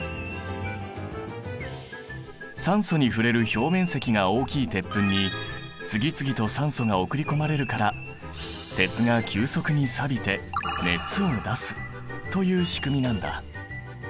酸素に触れる表面積が大きい鉄粉に次々と酸素が送り込まれるから鉄が急速にさびて熱を出すというしくみなんだ。